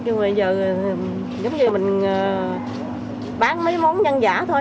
giống như mình bán mấy món nhân giả thôi